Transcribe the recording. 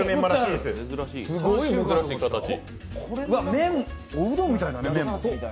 麺、おうどんみたいだね。